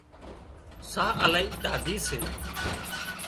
ساهَه الاهي ٽاڍي سي